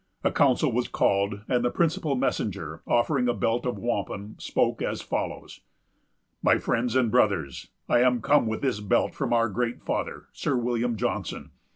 A council was called; and the principal messenger, offering a belt of wampum, spoke as follows: "My friends and brothers, I am come with this belt from our great father, Sir William Johnson.